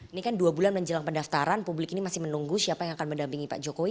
ini kan dua bulan menjelang pendaftaran publik ini masih menunggu siapa yang akan mendampingi pak jokowi